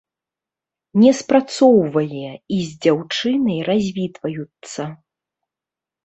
Не спрацоўвае, і з дзяўчынай развітваюцца.